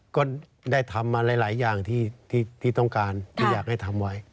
ก็ได้ทำมาหลายอย่างที่ต้องการที่อยากให้ทำไว้